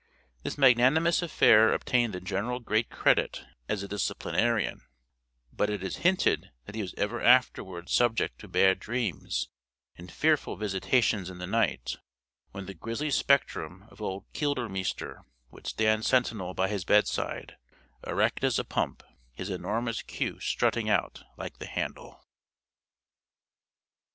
This magnanimous affair obtained the general great credit as a disciplinarian; but it is hinted that he was ever afterwards subject to bad dreams and fearful visitations in the night, when the grizzly spectrum of old Keldermeester would stand sentinel by his bedside, erect as a pump, his enormous queue strutting out like the handle.